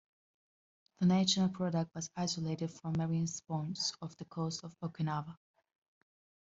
The natural product was isolated from marine sponges off the coast of Okinawa.